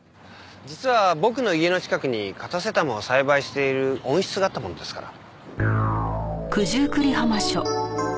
実は僕の家の近くにカタセタムを栽培している温室があったものですから。